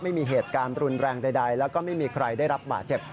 ไม่มีเหตุการณ์รุนแรงใดแล้วก็ไม่มีใครได้รับบาดเจ็บ